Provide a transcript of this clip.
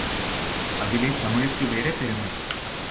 அதிலே தமிழுக்கு வேறே பெருமை.